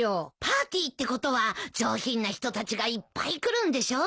パーティーってことは上品な人たちがいっぱい来るんでしょ？